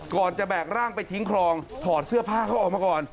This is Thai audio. ก่อนจะแบกร่างไปทิ้งคลองถอดเสื้อผ้าเขาออกมาก่อน